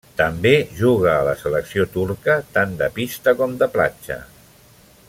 També juga a la selecció turca, tant de pista com de platja.